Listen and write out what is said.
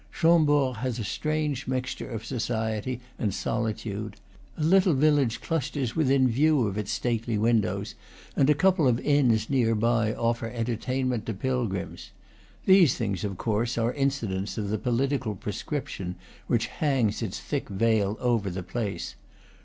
Chambord has a strange mixture of society and solitude. A little village clusters within view of its stately windows, and a couple of inns near by offer entertainment to pilgrims. These things, of course, are incidents of the political pro scription which hangs its thick veil over the place.